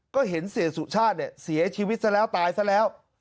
ก็เห็นเสียสุชาติเนี่ยเสียชีวิตซะแล้วตายซะแล้ว